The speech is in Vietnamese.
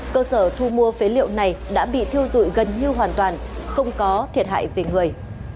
cơ sở thu mua phế liệu này đã bị thiêu dụi gần như hoàn toàn không có thiệt hại về người